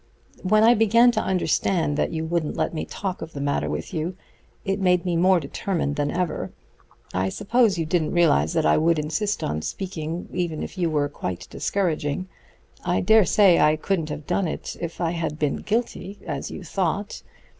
When I began to understand that you wouldn't let me talk of the matter to you, it made me more determined than ever. I suppose you didn't realize that I would insist on speaking even if you were quite discouraging. I dare say I couldn't have done it if I had been guilty, as you thought.